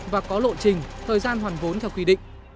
và có lộ trình thời gian hoàn vốn theo quy định